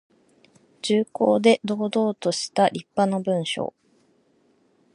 重厚で堂々としたりっぱな文章。